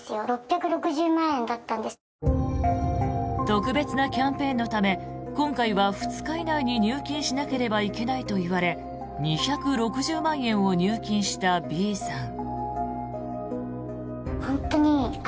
特別なキャンペーンのため今回は２日以内に入金しなければいけないと言われ２６０万円を入金したＢさん。